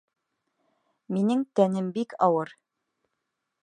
Минең тәнем бик ауыр.